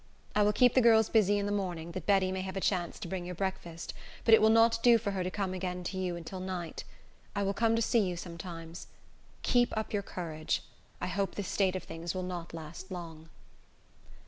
I will keep the girls busy in the morning, that Betty may have a chance to bring your breakfast; but it will not do for her to come to you again till night. I will come to see you sometimes. Keep up your courage. I hope this state of things will not last long."